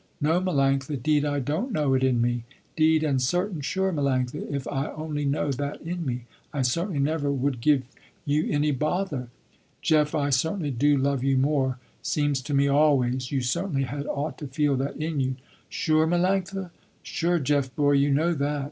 "No Melanctha, deed I don't know it in me. Deed and certain sure Melanctha, if I only know that in me, I certainly never would give you any bother." "Jeff, I certainly do love you more seems to me always, you certainly had ought to feel that in you." "Sure Melanctha?" "Sure Jeff boy, you know that."